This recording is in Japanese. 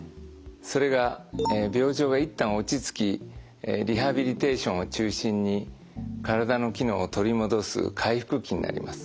それが病状が一旦落ち着きリハビリテーションを中心に体の機能を取り戻す回復期になります。